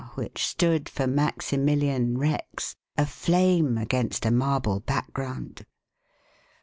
which stood for Maximilian Rex, aflame against a marble background.